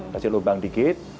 kasih lubang dikit